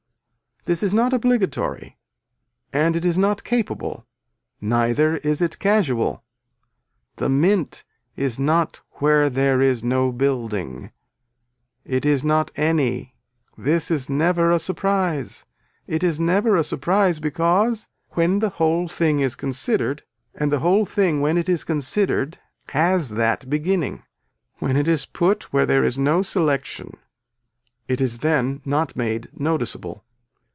This is not obligatory and it is not capable, neither is it casual. The mint is not where there is no building, it is not any this is never a surprise, it is never a surprise because when the whole thing is considered and the whole thing when it is considered has that beginning, when it is put where there is no selection it is then not made noticeable.